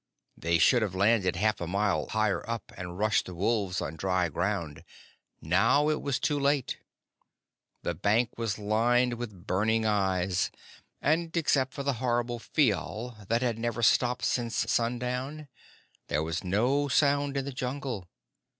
They should have landed half a mile higher up, and rushed the wolves on dry ground. Now it was too late. The bank was lined with burning eyes, and except for the horrible pheeal that had never stopped since sundown, there was no sound in the Jungle.